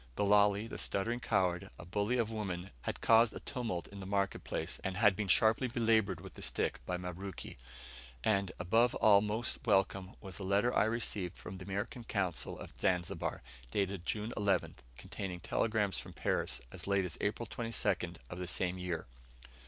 Bilali, the stuttering coward, a bully of women, had caused a tumult in the market place, and had been sharply belaboured with the stick by Mabruki. And, above all most welcome, was a letter I received from the American Consul at Zanzibar, dated June 11th, containing telegrams from Paris as late as April 22nd of the same year!